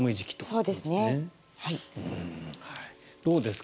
そうですね。